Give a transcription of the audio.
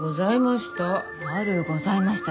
悪うございました。